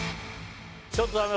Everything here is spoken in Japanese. ちょっとダメ。